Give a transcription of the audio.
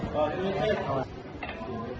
ผมขอให้กดลอง